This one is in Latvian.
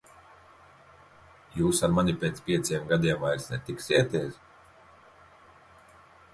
Jūs ar mani pēc pieciem gadiem vairs netiksieties?